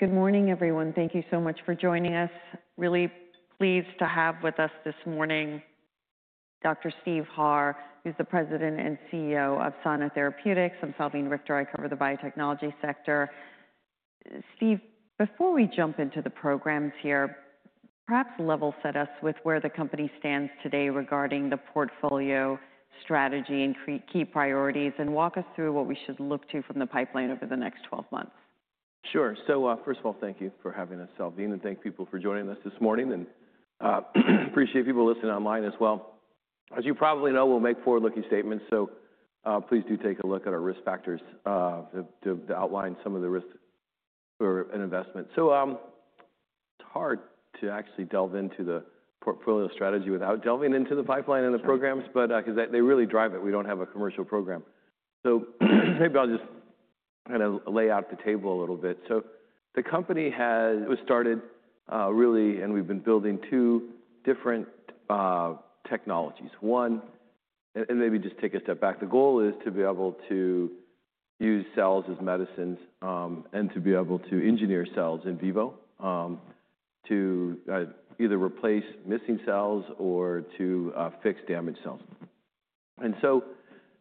Good morning, everyone. Thank you so much for joining us. Really pleased to have with us this morning Dr. Steve Harr, who's the President and CEO of Sana Therapeutics. I'm Salveen Richter. I cover the biotechnology sector. Steve, before we jump into the programs here, perhaps level set us with where the company stands today regarding the portfolio strategy and key priorities, and walk us through what we should look to from the pipeline over the next 12 months. Sure. First of all, thank you for having us, Salveen, and thank people for joining us this morning. I appreciate people listening online as well. As you probably know, we'll make forward-looking statements. Please do take a look at our risk factors to outline some of the risks for an investment. It's hard to actually delve into the portfolio strategy without delving into the pipeline and the programs, because they really drive it. We don't have a commercial program. Maybe I'll just kind of lay out the table a little bit. The company was started really, and we've been building two different technologies. One, and maybe just take a step back, the goal is to be able to use cells as medicines and to be able to engineer cells in vivo to either replace missing cells or to fix damaged cells.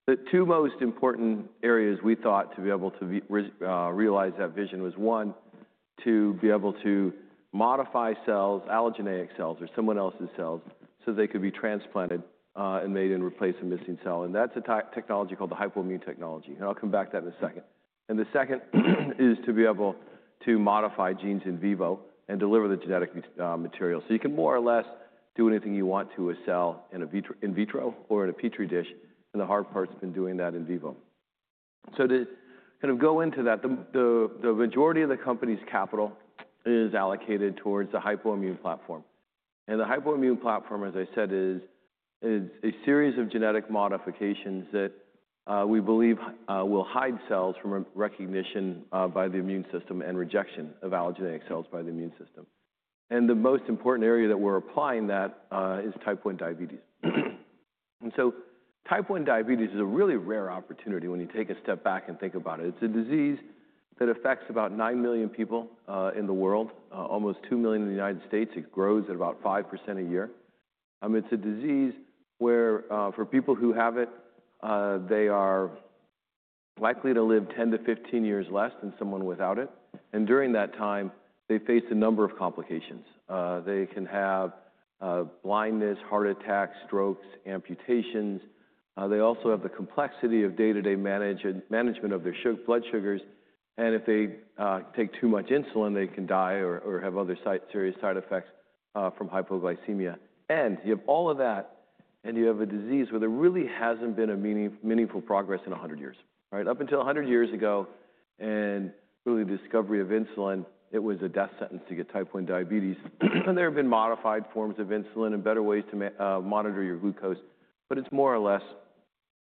The two most important areas we thought to be able to realize that vision were, one, to be able to modify cells, allogeneic cells or someone else's cells, so they could be transplanted and made and replace a missing cell. That is a technology called the hypoimmune technology. I'll come back to that in a second. The second is to be able to modify genes in vivo and deliver the genetic material. You can more or less do anything you want to a cell in vitro or in a Petri dish. The hard part has been doing that in vivo. To kind of go into that, the majority of the company's capital is allocated towards the hypoimmune platform. The hypoimmune platform, as I said, is a series of genetic modifications that we believe will hide cells from recognition by the immune system and rejection of allogeneic cells by the immune system. The most important area that we're applying that is type 1 diabetes. Type 1 diabetes is a really rare opportunity when you take a step back and think about it. It's a disease that affects about 9 million people in the world, almost 2 million in the United States. It grows at about 5% a year. It's a disease where for people who have it, they are likely to live 10-15 years less than someone without it. During that time, they face a number of complications. They can have blindness, heart attacks, strokes, amputations. They also have the complexity of day-to-day management of their blood sugars. If they take too much insulin, they can die or have other serious side effects from hypoglycemia. You have all of that, and you have a disease where there really hasn't been meaningful progress in 100 years. Up until 100 years ago, and really the discovery of insulin, it was a death sentence to get type 1 diabetes. There have been modified forms of insulin and better ways to monitor your glucose. It is more or less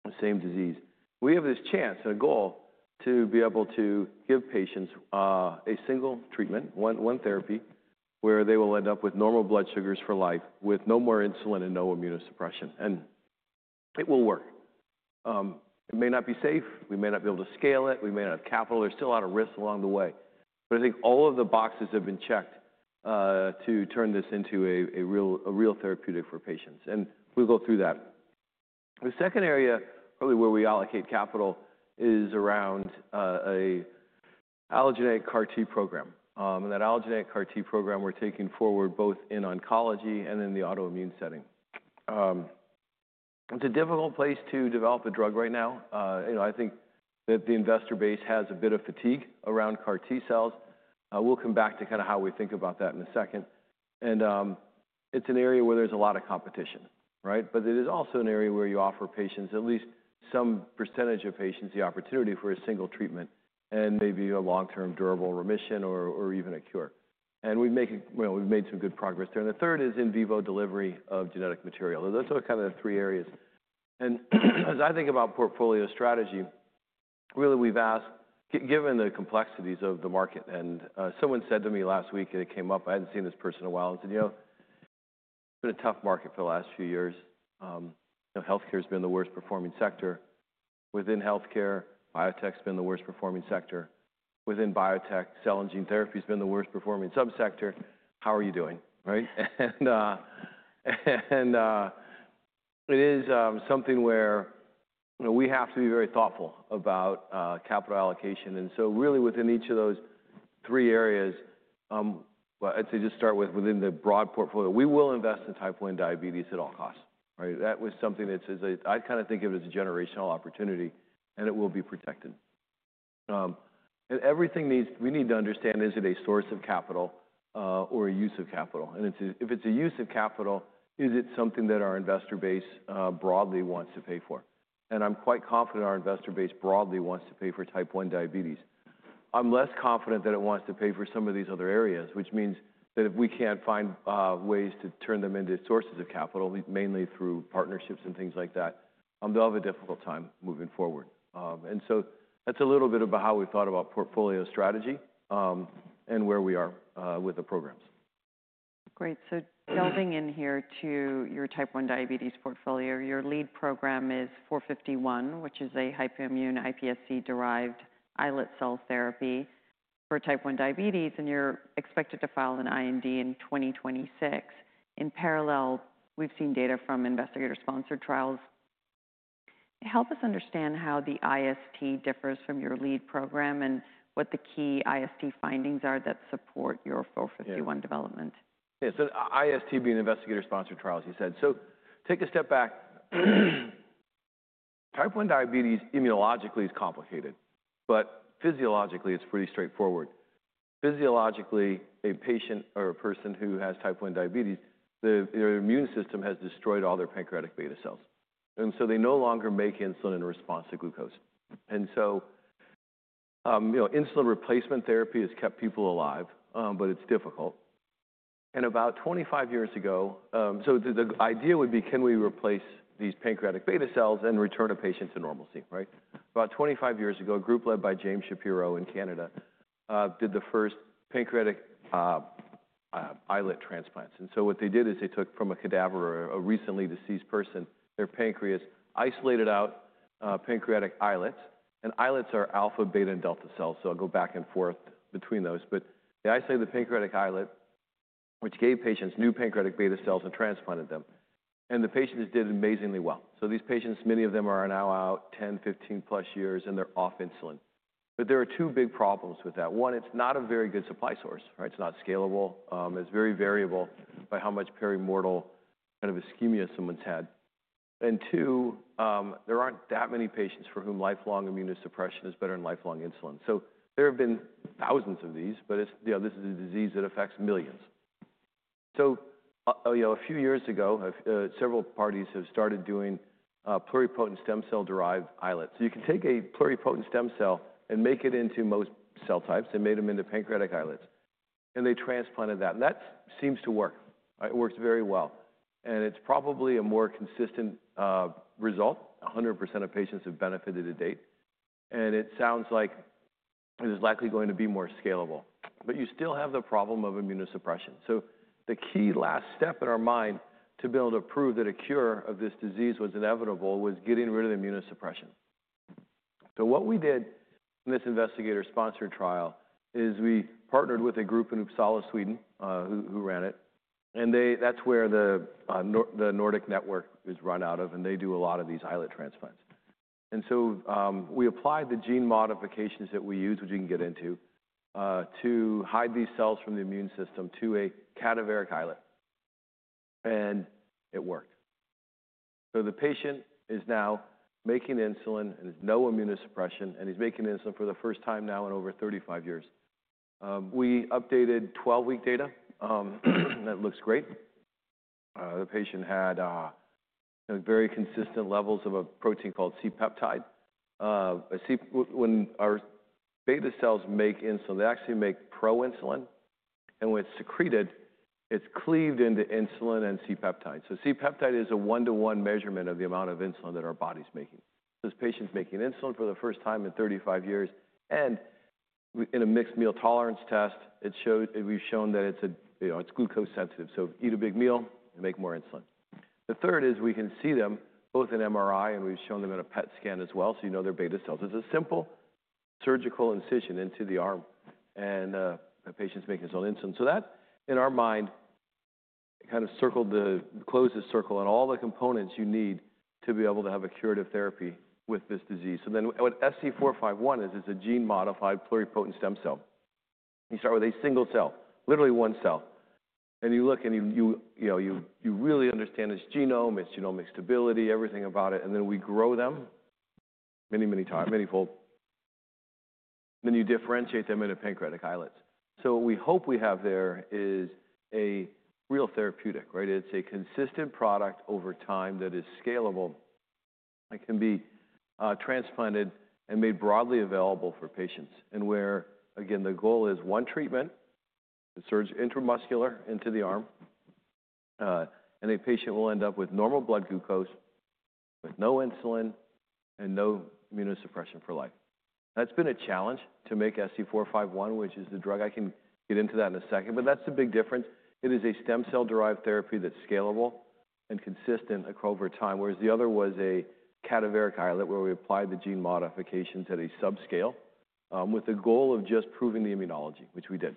the same disease. We have this chance and a goal to be able to give patients a single treatment, one therapy, where they will end up with normal blood sugars for life with no more insulin and no immunosuppression. It will work. It may not be safe. We may not be able to scale it. We may not have capital. There's still a lot of risks along the way. I think all of the boxes have been checked to turn this into a real therapeutic for patients. We'll go through that. The second area, probably where we allocate capital, is around an allogeneic CAR-T program. That allogeneic CAR-T program, we're taking forward both in oncology and in the autoimmune setting. It's a difficult place to develop a drug right now. I think that the investor base has a bit of fatigue around CAR-T cells. We'll come back to kind of how we think about that in a second. It's an area where there's a lot of competition, right? It is also an area where you offer patients, at least some percentage of patients, the opportunity for a single treatment and maybe a long-term durable remission or even a cure. We have made some good progress there. The third is in vivo delivery of genetic material. Those are kind of the three areas. As I think about portfolio strategy, really we have asked, given the complexities of the market, and someone said to me last week and it came up, I had not seen this person in a while, and said, you know, it has been a tough market for the last few years. Healthcare has been the worst performing sector. Within healthcare, biotech has been the worst performing sector. Within biotech, cell and gene therapy has been the worst performing subsector. How are you doing? Right? It is something where we have to be very thoughtful about capital allocation. Really within each of those three areas, I would say just start with within the broad portfolio, we will invest in type 1 diabetes at all costs. Right? That was something that I kind of think of as a generational opportunity, and it will be protected. Everything we need to understand is it a source of capital or a use of capital. If it's a use of capital, is it something that our investor base broadly wants to pay for? I'm quite confident our investor base broadly wants to pay for type 1 diabetes. I'm less confident that it wants to pay for some of these other areas, which means that if we can't find ways to turn them into sources of capital, mainly through partnerships and things like that, they'll have a difficult time moving forward. That's a little bit about how we thought about portfolio strategy and where we are with the programs. Great. Delving in here to your type 1 diabetes portfolio, your lead program is 451, which is a hypoimmune iPSC-derived islet cell therapy for type 1 diabetes. You're expected to file an IND in 2026. In parallel, we've seen data from investigator-sponsored trials. Help us understand how the IST differs from your lead program and what the key IST findings are that support your 451 development. Yeah. IST being investigator-sponsored trials, you said. Take a step back. Type 1 diabetes immunologically is complicated, but physiologically it is pretty straightforward. Physiologically, a patient or a person who has type 1 diabetes, their immune system has destroyed all their pancreatic beta cells. They no longer make insulin in response to glucose. Insulin replacement therapy has kept people alive, but it is difficult. About 25 years ago, the idea would be, can we replace these pancreatic beta cells and return a patient to normalcy? Right? About 25 years ago, a group led by James Shapiro in Canada did the first pancreatic islet transplants. What they did is they took from a cadaver or a recently deceased person, their pancreas, isolated out pancreatic islets. Islets are alpha, beta, and delta cells. I will go back and forth between those. They isolated the pancreatic islet, which gave patients new pancreatic beta cells and transplanted them. The patients did amazingly well. These patients, many of them are now out 10, 15+ years, and they're off insulin. There are two big problems with that. One, it's not a very good supply source. Right? It's not scalable. It's very variable by how much perimortal kind of ischemia someone's had. Two, there aren't that many patients for whom lifelong immunosuppression is better than lifelong insulin. There have been thousands of these, but this is a disease that affects millions. A few years ago, several parties have started doing pluripotent stem cell-derived islets. You can take a pluripotent stem cell and make it into most cell types and made them into pancreatic islets. They transplanted that. That seems to work. It works very well. It is probably a more consistent result. 100% of patients have benefited to date. It sounds like it is likely going to be more scalable. You still have the problem of immunosuppression. The key last step in our mind to be able to prove that a cure of this disease was inevitable was getting rid of immunosuppression. What we did in this investigator-sponsored trial is we partnered with a group in Uppsala, Sweden, who ran it. That is where the Nordic network is run out of, and they do a lot of these islet transplants. We applied the gene modifications that we use, which you can get into, to hide these cells from the immune system to a cadaveric islet. It worked. The patient is now making insulin, and there is no immunosuppression. He's making insulin for the first time now in over 35 years. We updated 12-week data. That looks great. The patient had very consistent levels of a protein called C-peptide. When our beta cells make insulin, they actually make proinsulin. When it's secreted, it's cleaved into insulin and C-peptide. C-peptide is a one-to-one measurement of the amount of insulin that our body's making. This patient's making insulin for the first time in 35 years. In a mixed meal tolerance test, we've shown that it's glucose-sensitive. Eat a big meal and make more insulin. The third is we can see them both in MRI, and we've shown them in a PET scan as well. You know they're beta cells. It's a simple surgical incision into the arm. The patient's making his own insulin. That, in our mind, kind of closes the circle on all the components you need to be able to have a curative therapy with this disease. What SC451 is, it's a gene-modified pluripotent stem cell. You start with a single cell, literally one cell. You look, and you really understand its genome, its genomic stability, everything about it. Then we grow them many, many times, manifold. Then you differentiate them into pancreatic islets. What we hope we have there is a real therapeutic. Right? It's a consistent product over time that is scalable and can be transplanted and made broadly available for patients. Where, again, the goal is one treatment, it's intramuscular into the arm. A patient will end up with normal blood glucose, with no insulin and no immunosuppression for life. That's been a challenge to make SC451, which is the drug. I can get into that in a second. That is the big difference. It is a stem cell-derived therapy that's scalable and consistent over time. Whereas the other was a cadaveric islet where we applied the gene modifications at a subscale with the goal of just proving the immunology, which we did.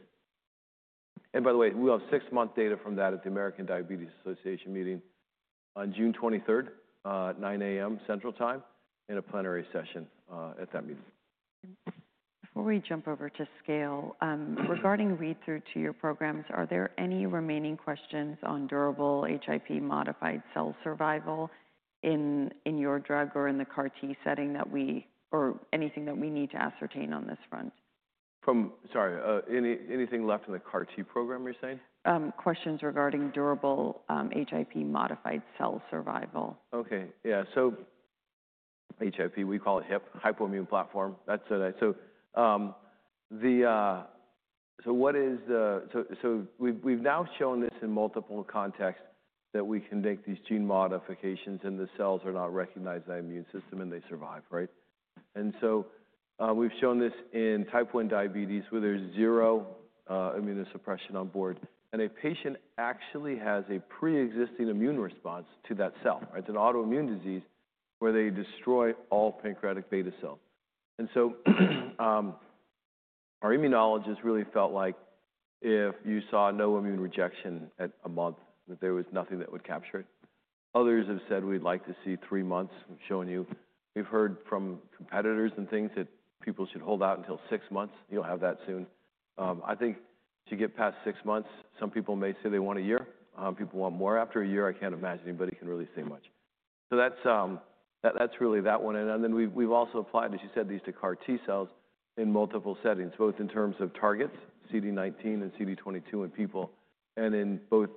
By the way, we'll have six-month data from that at the American Diabetes Association meeting on June 23rd, 9:00 A.M. Central Time, in a plenary session at that meeting. Before we jump over to scale, regarding read-through to your programs, are there any remaining questions on durable HIP-modified cell survival in your drug or in the CAR-T setting that we or anything that we need to ascertain on this front? From, sorry, anything left in the CAR-T program, you're saying? Questions regarding durable HIP-modified cell survival. Okay. Yeah. HIP, we call it HIP hypoimmune platform. That's it. What is the—so we've now shown this in multiple contexts that we can make these gene modifications and the cells are not recognized by the immune system and they survive, right? We've shown this in type 1 diabetes where there's zero immunosuppression on board, and a patient actually has a pre-existing immune response to that cell, right? It's an autoimmune disease where they destroy all pancreatic beta cells. Our immunologist really felt like if you saw no immune rejection at a month, that there was nothing that would capture it. Others have said we'd like to see three months. We've shown you. We've heard from competitors and things that people should hold out until six months. You don't have that soon. I think to get past six months, some people may say they want a year. People want more. After a year, I can't imagine anybody can really say much. That's really that one. We've also applied, as you said, these to CAR-T cells in multiple settings, both in terms of targets, CD19 and CD22 in people, and in both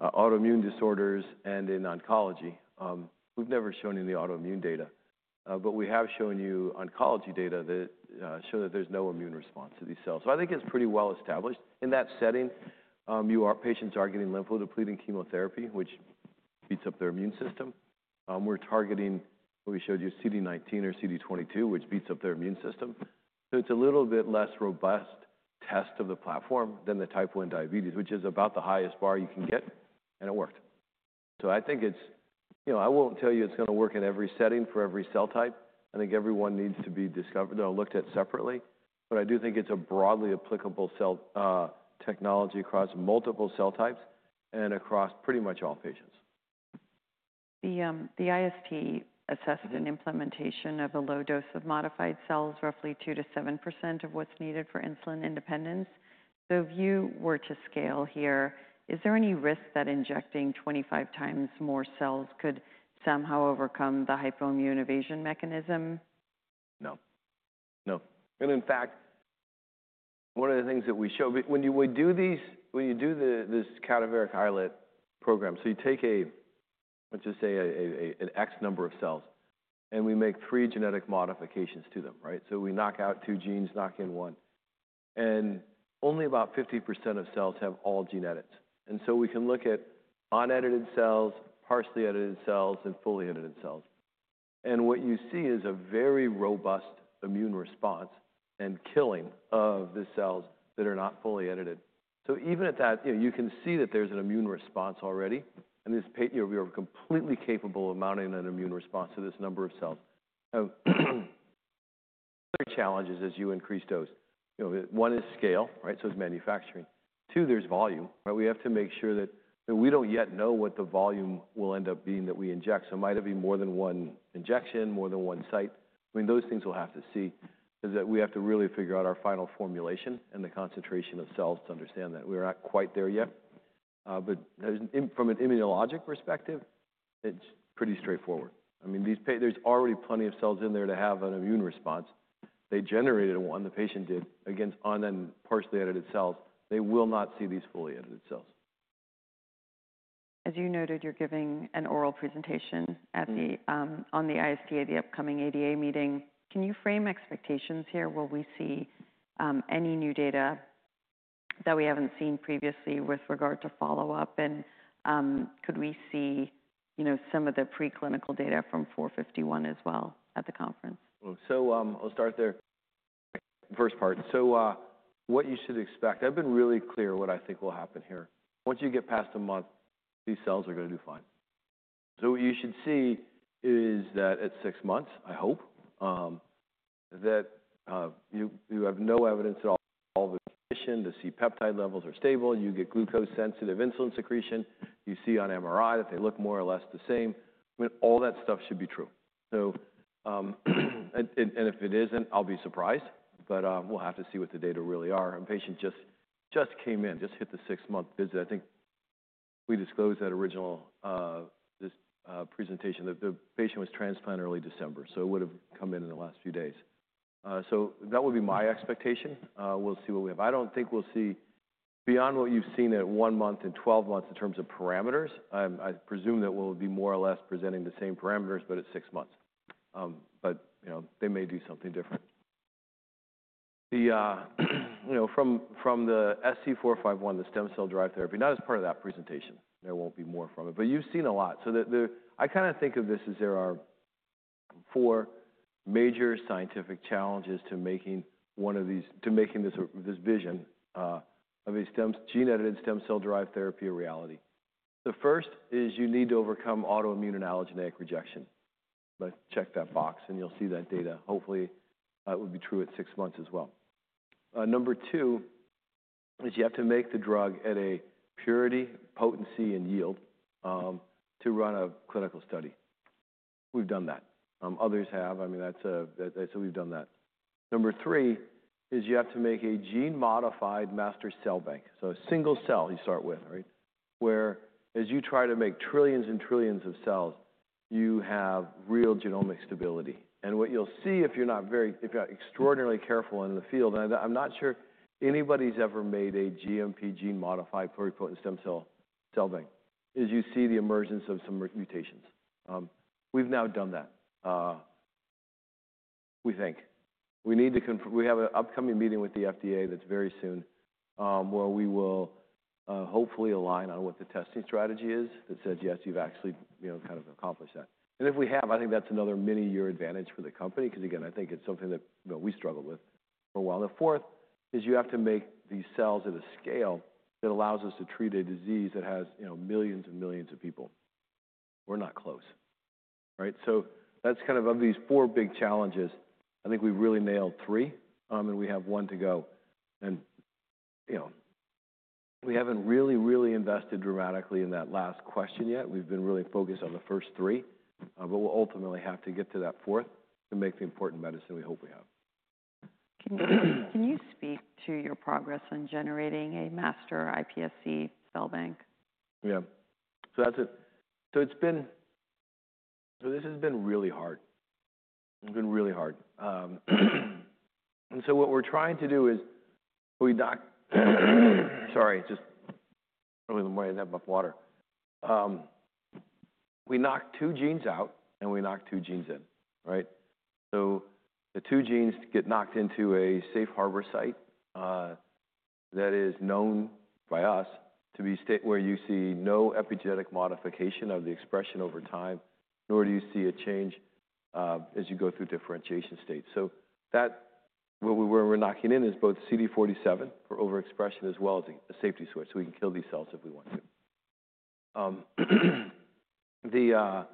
autoimmune disorders and in oncology. We've never shown you the autoimmune data. We have shown you oncology data that show that there's no immune response to these cells. I think it's pretty well established. In that setting, patients are getting lymphodepleting chemotherapy, which beats up their immune system. We're targeting what we showed you, CD19 or CD22, which beats up their immune system. It's a little bit less robust test of the platform than the type 1 diabetes, which is about the highest bar you can get. It worked. I think it's, I won't tell you it's going to work in every setting for every cell type. I think every one needs to be discovered or looked at separately. I do think it's a broadly applicable technology across multiple cell types and across pretty much all patients. The IST assessed an implementation of a low dose of modified cells, roughly 2%-7% of what's needed for insulin independence. If you were to scale here, is there any risk that injecting 25 times more cells could somehow overcome the hypoimmune evasion mechanism? No. No. In fact, one of the things that we show, when you do this cadaveric islet program, you take a, let's just say, an X number of cells, and we make three genetic modifications to them. Right? We knock out two genes, knock in one. Only about 50% of cells have all gene edits. We can look at unedited cells, partially edited cells, and fully edited cells. What you see is a very robust immune response and killing of the cells that are not fully edited. Even at that, you can see that there's an immune response already. We are completely capable of mounting an immune response to this number of cells. The other challenge is as you increase dose. One is scale. Right? It's manufacturing. Two, there's volume. Right? We have to make sure that we don't yet know what the volume will end up being that we inject. It might have been more than one injection, more than one site. I mean, those things we'll have to see. We have to really figure out our final formulation and the concentration of cells to understand that. We're not quite there yet. From an immunologic perspective, it's pretty straightforward. I mean, there's already plenty of cells in there to have an immune response. They generated one, the patient did, against on then partially edited cells. They will not see these fully edited cells. As you noted, you're giving an oral presentation on the IST at the upcoming ADA meeting. Can you frame expectations here? Will we see any new data that we haven't seen previously with regard to follow-up? Could we see some of the preclinical data from 451 as well at the conference? I'll start there. First part. What you should expect, I've been really clear what I think will happen here. Once you get past a month, these cells are going to do fine. What you should see is that at six months, I hope, you have no evidence at all of the condition. The C-peptide levels are stable. You get glucose-sensitive insulin secretion. You see on MRI that they look more or less the same. I mean, all that stuff should be true. If it isn't, I'll be surprised. We'll have to see what the data really are. The patient just came in, just hit the six-month visit. I think we disclosed that original presentation. The patient was transplanted early December. It would have come in in the last few days. That would be my expectation. We'll see what we have. I don't think we'll see beyond what you've seen at one month and 12 months in terms of parameters. I presume that we'll be more or less presenting the same parameters, but at six months. They may do something different. From the SC451, the stem cell-derived therapy, not as part of that presentation. There won't be more from it. You've seen a lot. I kind of think of this as there are four major scientific challenges to making this vision of a gene-edited stem cell-derived therapy a reality. The first is you need to overcome autoimmune and allogeneic rejection. Let's check that box, and you'll see that data. Hopefully, it would be true at six months as well. Number two is you have to make the drug at a purity, potency, and yield to run a clinical study. We've done that. Others have. I mean, so we've done that. Number three is you have to make a gene-modified master cell bank. So a single cell you start with, right, where as you try to make trillions and trillions of cells, you have real genomic stability. What you'll see if you're not extraordinarily careful in the field, and I'm not sure anybody's ever made a GMP gene-modified pluripotent stem cell bank, is you see the emergence of some mutations. We've now done that, we think. We have an upcoming meeting with the FDA that's very soon where we will hopefully align on what the testing strategy is that says, yes, you've actually kind of accomplished that. If we have, I think that's another many-year advantage for the company. Because again, I think it's something that we struggled with for a while. The fourth is you have to make these cells at a scale that allows us to treat a disease that has millions and millions of people. We're not close. Right? Of these four big challenges, I think we've really nailed three. We have one to go. We haven't really, really invested dramatically in that last question yet. We've been really focused on the first three. We'll ultimately have to get to that fourth to make the important medicine we hope we have. Can you speak to your progress in generating a master iPSC cell bank? Yeah. So it's been really hard. It's been really hard. What we're trying to do is we knock—sorry, just I don't even want to have enough water. We knock two genes out, and we knock two genes in. Right? The two genes get knocked into a safe harbor site that is known by us to be where you see no epigenetic modification of the expression over time, nor do you see a change as you go through differentiation states. What we're knocking in is both CD47 for overexpression as well as a safety switch, so we can kill these cells if we want to.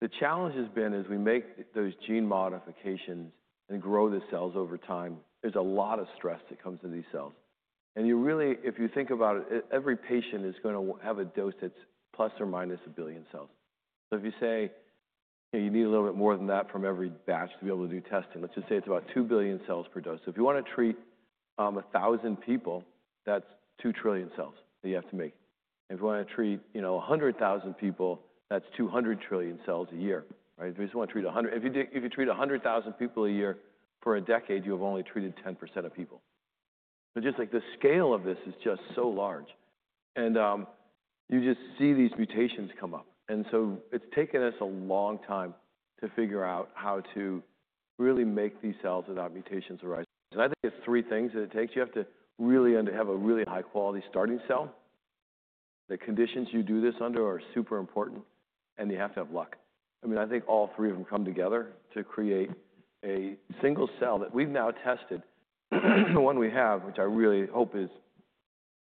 The challenge has been as we make those gene modifications and grow the cells over time, there's a lot of stress that comes to these cells. If you think about it, every patient is going to have a dose that's plus or minus a billion cells. If you say you need a little bit more than that from every batch to be able to do testing, let's just say it's about 2 billion cells per dose. If you want to treat 1,000 people, that's 2 trillion cells that you have to make. If you want to treat 100,000 people, that's 200 trillion cells a year. If you just want to treat 100,000 people a year for a decade, you have only treated 10% of people. The scale of this is just so large. You just see these mutations come up. It's taken us a long time to figure out how to really make these cells without mutations arise. I think it's three things that it takes. You have to really have a really high-quality starting cell. The conditions you do this under are super important. You have to have luck. I mean, I think all three of them come together to create a single cell that we've now tested. The one we have, which I really hope is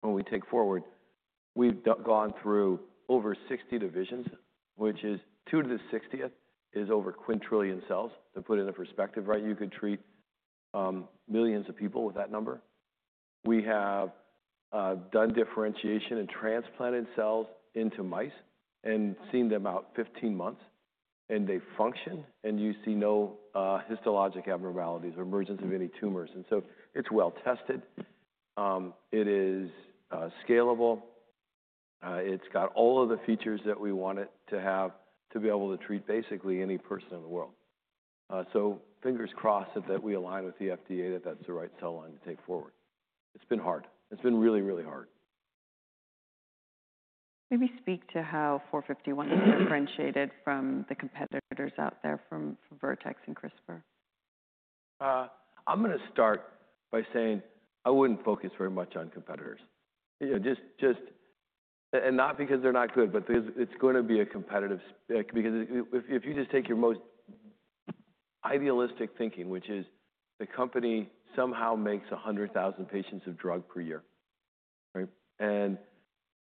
one we take forward, we've gone through over 60 divisions, which is two to the 60th, is over a quintillion cells. To put it in perspective, right, you could treat millions of people with that number. We have done differentiation and transplanted cells into mice and seen them out 15 months. They function. You see no histologic abnormalities or emergence of any tumors. It is well tested. It is scalable. It's got all of the features that we want it to have to be able to treat basically any person in the world. Fingers crossed that we align with the FDA that that's the right cell line to take forward. It's been hard. It's been really, really hard. Maybe speak to how SC451 is differentiated from the competitors out there from Vertex and CRISPR. I'm going to start by saying I wouldn't focus very much on competitors. And not because they're not good, but because it's going to be a competitive because if you just take your most idealistic thinking, which is the company somehow makes 100,000 patients of drug per year. Right? And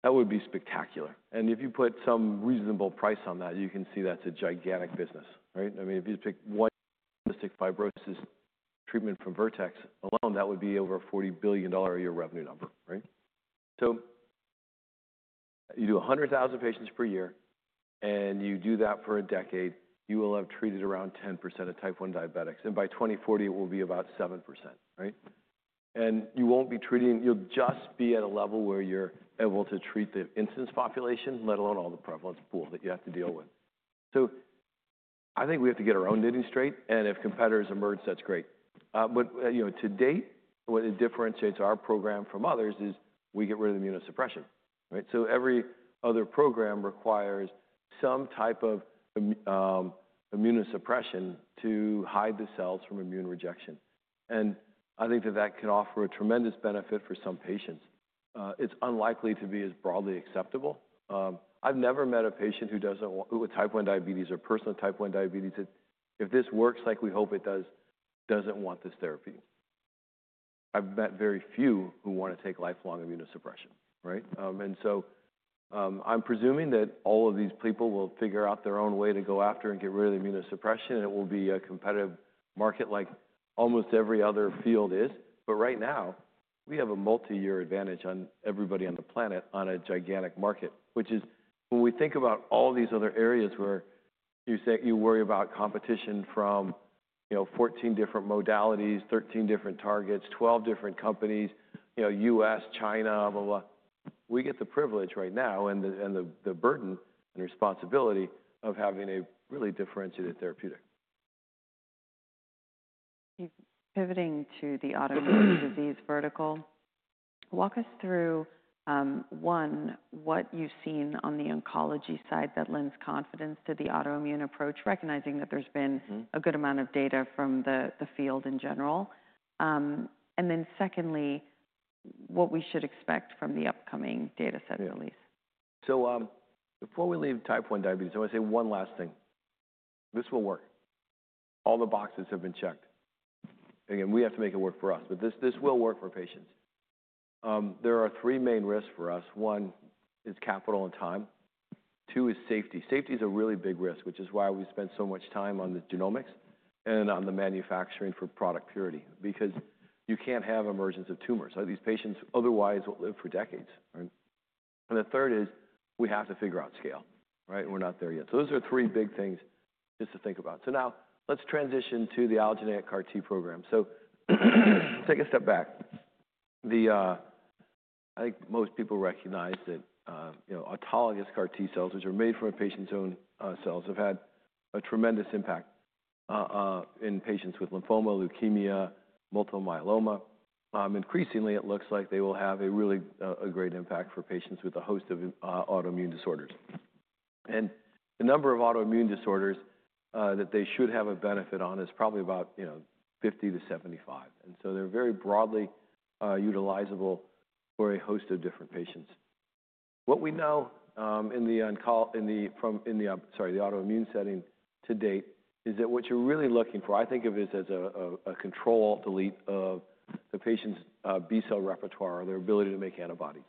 that would be spectacular. And if you put some reasonable price on that, you can see that's a gigantic business. Right? I mean, if you just pick one fibrosis treatment from Vertex alone, that would be over a $40 billion a year revenue number. Right? So you do 100,000 patients per year. And you do that for a decade, you will have treated around 10% of type 1 diabetics. And by 2040, it will be about 7%. Right? You will not be treating, you will just be at a level where you are able to treat the infant population, let alone all the prevalence pool that you have to deal with. I think we have to get our own knitting straight. If competitors emerge, that is great. To date, what differentiates our program from others is we get rid of immunosuppression. Every other program requires some type of immunosuppression to hide the cells from immune rejection. I think that can offer a tremendous benefit for some patients. It is unlikely to be as broadly acceptable. I have never met a patient with type 1 diabetes or a person with type 1 diabetes that, if this works like we hope it does, does not want this therapy. I have met very few who want to take lifelong immunosuppression. I'm presuming that all of these people will figure out their own way to go after and get rid of immunosuppression. It will be a competitive market like almost every other field is. Right now, we have a multi-year advantage on everybody on the planet on a gigantic market, which is when we think about all these other areas where you worry about competition from 14 different modalities, 13 different targets, 12 different companies, U.S., China, blah, blah, blah, we get the privilege right now and the burden and responsibility of having a really differentiated therapeutic. Pivoting to the autoimmune disease vertical, walk us through, one, what you've seen on the oncology side that lends confidence to the autoimmune approach, recognizing that there's been a good amount of data from the field in general. Secondly, what we should expect from the upcoming data set release. Before we leave type 1 diabetes, I want to say one last thing. This will work. All the boxes have been checked. Again, we have to make it work for us. This will work for patients. There are three main risks for us. One is capital and time. Two is safety. Safety is a really big risk, which is why we spend so much time on the genomics and on the manufacturing for product purity. Because you can't have emergence of tumors. These patients otherwise will live for decades. Right? The third is we have to figure out scale. Right? We're not there yet. Those are three big things just to think about. Now let's transition to the allogeneic CAR-T program. Take a step back. I think most people recognize that autologous CAR-T cells, which are made from a patient's own cells, have had a tremendous impact in patients with lymphoma, leukemia, multiple myeloma. Increasingly, it looks like they will have a really great impact for patients with a host of autoimmune disorders. The number of autoimmune disorders that they should have a benefit on is probably about 50-75. They are very broadly utilizable for a host of different patients. What we know in the autoimmune setting to date is that what you're really looking for, I think of this as a control delete of the patient's B cell repertoire or their ability to make antibodies.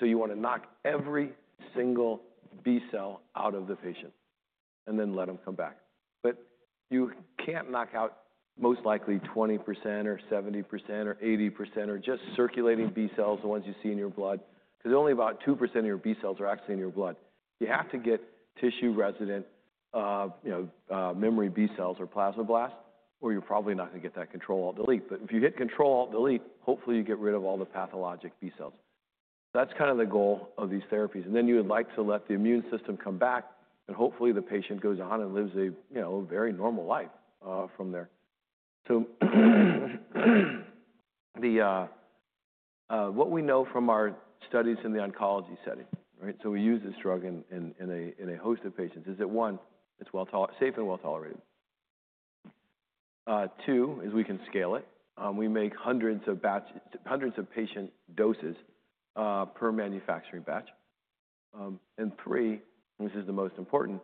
You want to knock every single B cell out of the patient and then let them come back. You can't knock out most likely 20% or 70% or 80% or just circulating B cells, the ones you see in your blood. Because only about 2% of your B cells are actually in your blood. You have to get tissue-resident memory B cells or plasma blasts, or you're probably not going to get that control alt delete. If you hit control alt delete, hopefully you get rid of all the pathologic B cells. That's kind of the goal of these therapies. You would like to let the immune system come back. Hopefully the patient goes on and lives a very normal life from there. What we know from our studies in the oncology setting, right, we use this drug in a host of patients, is that, one, it's safe and well tolerated. Two, we can scale it. We make hundreds of patient doses per manufacturing batch. Three, this is the most important,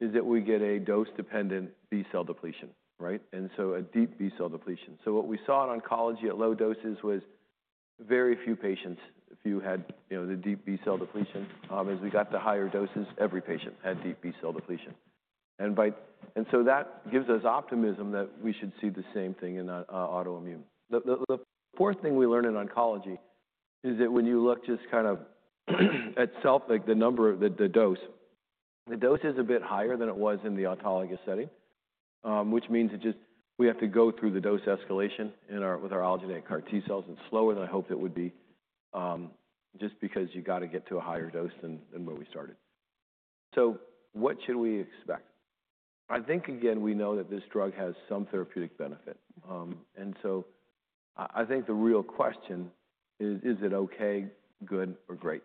is that we get a dose-dependent B cell depletion. Right? A deep B cell depletion. What we saw in oncology at low doses was very few patients, few had the deep B cell depletion. As we got to higher doses, every patient had deep B cell depletion. That gives us optimism that we should see the same thing in autoimmune. The fourth thing we learned in oncology is that when you look just kind of at self, like the number, the dose, the dose is a bit higher than it was in the autologous setting, which means that we have to go through the dose escalation with our allogeneic CAR-T cells. It's slower than I hoped it would be just because you've got to get to a higher dose than where we started. What should we expect? I think, again, we know that this drug has some therapeutic benefit. I think the real question is, is it OK, good, or great?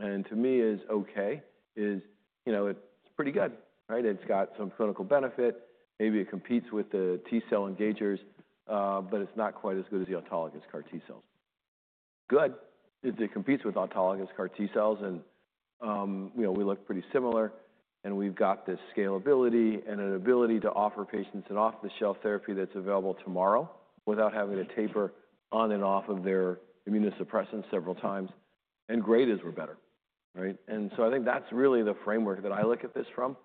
To me, OK is it's pretty good. Right? It's got some clinical benefit. Maybe it competes with the T cell engagers, but it's not quite as good as the autologous CAR-T cells. Good is it competes with autologous CAR-T cells. We look pretty similar. We've got this scalability and an ability to offer patients an off-the-shelf therapy that's available tomorrow without having to taper on and off of their immunosuppressants several times. Great is we're better. Right? I think that's really the framework that I look at this from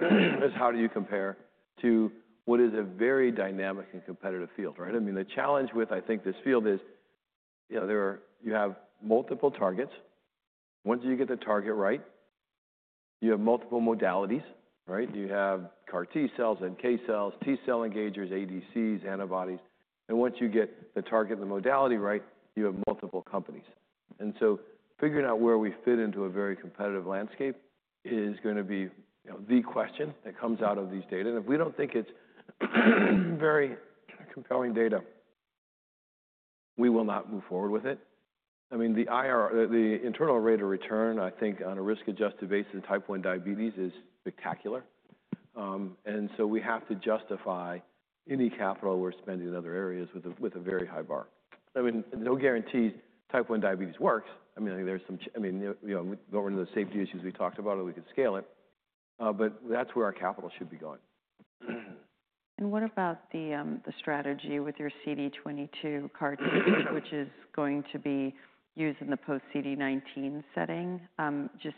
is how do you compare to what is a very dynamic and competitive field. Right? I mean, the challenge with, I think, this field is you have multiple targets. Once you get the target right, you have multiple modalities. Right? You have CAR-T cells and K cells, T cell engagers, ADCs, antibodies. Once you get the target and the modality right, you have multiple companies. Figuring out where we fit into a very competitive landscape is going to be the question that comes out of these data. If we don't think it's very compelling data, we will not move forward with it. I mean, the internal rate of return, I think, on a risk-adjusted basis in type 1 diabetes is spectacular. We have to justify any capital we're spending in other areas with a very high bar. I mean, no guarantees type 1 diabetes works. I mean, there's some, I mean, going to the safety issues we talked about, we could scale it. But that's where our capital should be going. What about the strategy with your CD22 CAR-T, which is going to be used in the post-CD19 setting? Just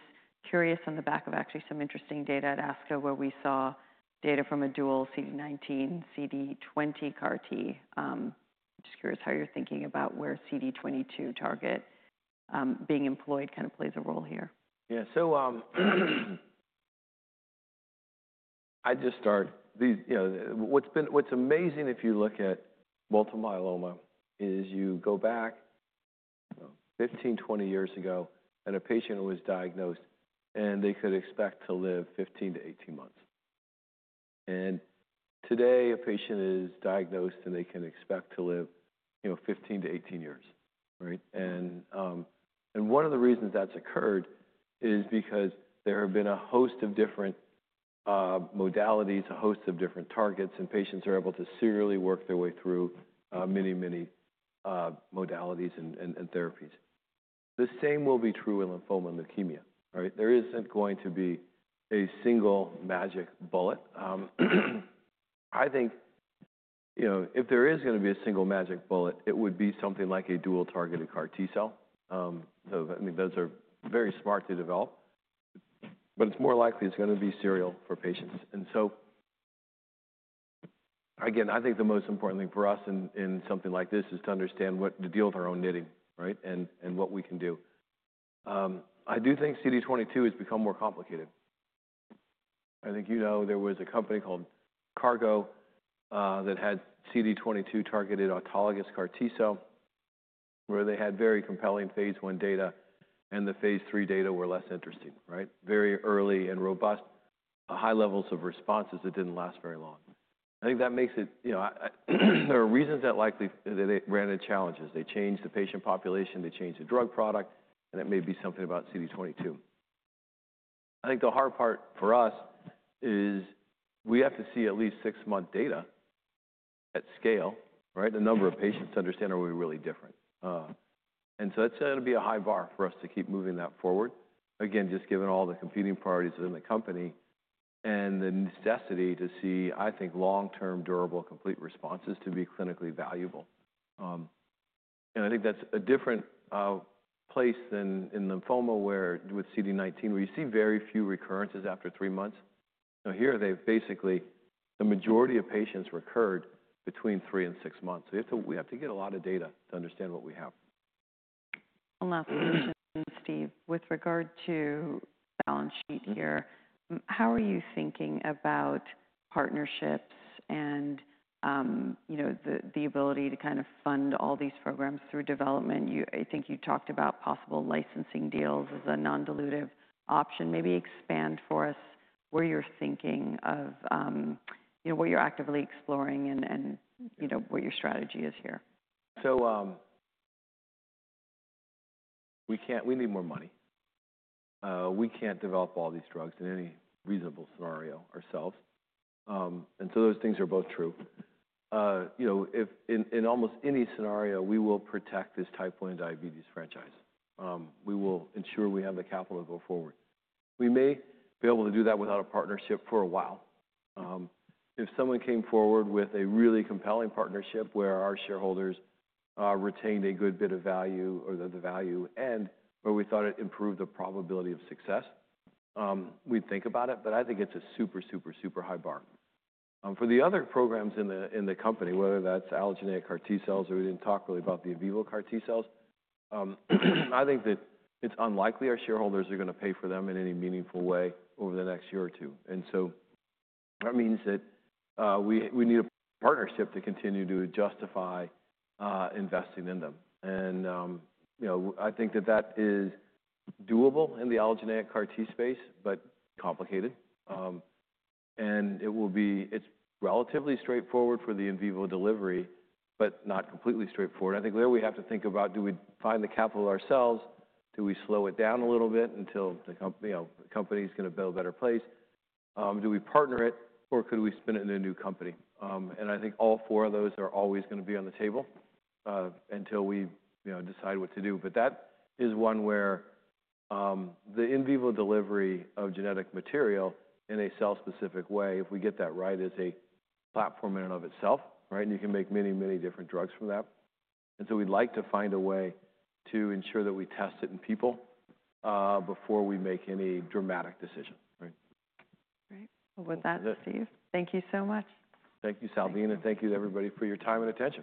curious on the back of actually some interesting data at ASCO where we saw data from a dual CD19, CD20 CAR-T. I'm just curious how you're thinking about where CD22 target being employed kind of plays a role here. Yeah. I just start. What's amazing if you look at multiple myeloma is you go back 15-20 years ago, and a patient was diagnosed, and they could expect to live 15-18 months. Today, a patient is diagnosed, and they can expect to live 15-18 years. Right? One of the reasons that's occurred is because there have been a host of different modalities, a host of different targets. Patients are able to serially work their way through many, many modalities and therapies. The same will be true in lymphoma and leukemia. Right? There isn't going to be a single magic bullet. I think if there is going to be a single magic bullet, it would be something like a dual-targeted CAR-T cell. I mean, those are very smart to develop. It's more likely it's going to be serial for patients. I think the most important thing for us in something like this is to understand what to deal with our own knitting, right, and what we can do. I do think CD22 has become more complicated. I think you know there was a company called Cargo that had CD22 targeted autologous CAR-T cell where they had very compelling phase I data. The phase III data were less interesting, right? Very early and robust, high levels of responses that did not last very long. I think that makes it there are reasons that likely that it ran into challenges. They changed the patient population. They changed the drug product. It may be something about CD22. I think the hard part for us is we have to see at least six-month data at scale, right? The number of patients to understand are we really different. That's going to be a high bar for us to keep moving that forward, again, just given all the competing priorities within the company and the necessity to see, I think, long-term, durable, complete responses to be clinically valuable. I think that's a different place than in lymphoma where with CD19, where you see very few recurrences after three months. Here, basically, the majority of patients recurred between three and six months. We have to get a lot of data to understand what we have. One last question, Steve, with regard to balance sheet here. How are you thinking about partnerships and the ability to kind of fund all these programs through development? I think you talked about possible licensing deals as a non-dilutive option. Maybe expand for us where you're thinking of what you're actively exploring and what your strategy is here. We need more money. We can't develop all these drugs in any reasonable scenario ourselves. Those things are both true. In almost any scenario, we will protect this type 1 diabetes franchise. We will ensure we have the capital to go forward. We may be able to do that without a partnership for a while. If someone came forward with a really compelling partnership where our shareholders retained a good bit of value or the value end, where we thought it improved the probability of success, we'd think about it. I think it's a super, super, super high bar. For the other programs in the company, whether that's allogeneic CAR-T cells or we did not talk really about the in vivo CAR-T cells, I think that it's unlikely our shareholders are going to pay for them in any meaningful way over the next year or two. That means that we need a partnership to continue to justify investing in them. I think that that is doable in the allogeneic CAR-T space, but complicated. It will be relatively straightforward for the in vivo delivery, but not completely straightforward. I think there we have to think about, do we find the capital ourselves? Do we slow it down a little bit until the company's in a better place? Do we partner it, or could we spin it in a new company? I think all four of those are always going to be on the table until we decide what to do. That is one where the in vivo delivery of genetic material in a cell-specific way, if we get that right, is a platform in and of itself. Right? You can make many, many different drugs from that. We would like to find a way to ensure that we test it in people before we make any dramatic decision. Right? Right. With that, Steve, thank you so much. Thank you, Salveen. Thank you to everybody for your time and attention.